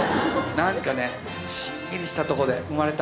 なんかねしんみりしたとこで生まれた。